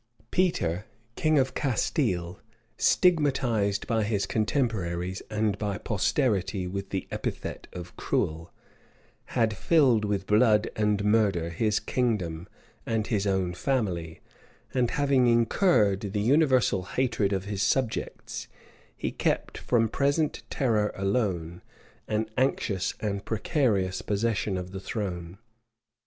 Peter, king of Castile, stigmatized by his contemporaries and by posterity with the epithet of Cruel, had filled with blood and murder his kingdom and his own family; and having incurred the universal hatred of his subjects, he kept from present terror alone, an anxious and precarious possession of the throne.